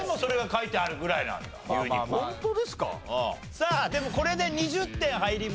さあでもこれで２０点入りました。